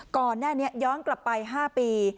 ก่อนหน้านี้ย้อนกลับไป๕ปี